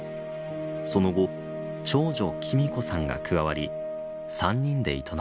その後長女貴美子さんが加わり３人で営むように。